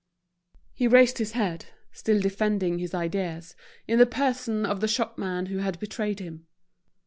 He raised his head, still defending his ideas, in the person of the shopman who had betrayed him.